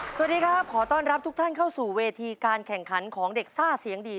สวัสดีครับขอต้อนรับทุกท่านเข้าสู่เวทีการแข่งขันของเด็กซ่าเสียงดี